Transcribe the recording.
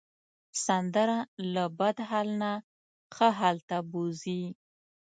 سندره له بد حال نه ښه حال ته بوځي